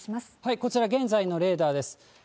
こちら、現在のレーダーです。